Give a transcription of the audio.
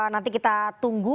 nanti kita tunggu